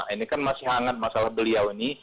ini kan masih hangat masalah beliau ini